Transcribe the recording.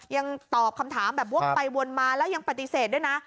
ยังตอบคำถามแบบวกไปวนมาแล้วยังปฏิเสธด้วยนะ